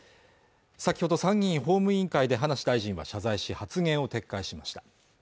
先ほど参議院法務委員会で葉梨大臣は謝罪し発言を撤回しました